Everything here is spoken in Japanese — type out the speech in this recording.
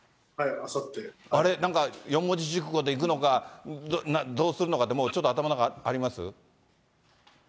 あれ、なんか四文字熟語でいくのか、どうするのかって、ちょっと頭の中あります？